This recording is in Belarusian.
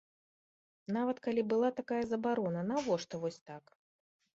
Нават калі была такая забарона, навошта вось так?